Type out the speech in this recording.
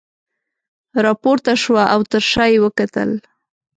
راپورته شوه او تر شاه یې وکتل.